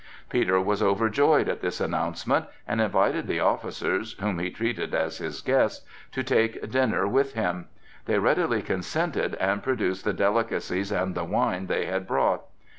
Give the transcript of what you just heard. Peter was overjoyed at this announcement, and invited the officers, whom he treated as his guests, to take dinner with him; they readily consented and produced the delicacies and the wine they had brought.